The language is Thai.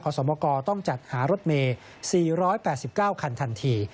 สมกรต้องจัดหารถเมย์๔๘๙คันทันที